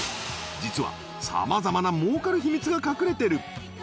実は様々な儲かるヒミツが隠れてる！